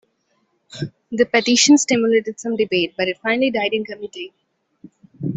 The petition stimulated some debate, but it finally died in committee.